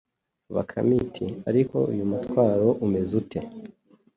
Bakame iti :« Ariko uyu mutwaro umeze ute